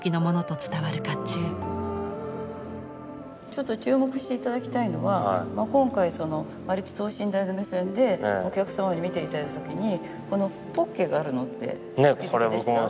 ちょっと注目して頂きたいのは今回わりと等身大の目線でお客様に見て頂いた時にポッケがあるのってお気付きでした？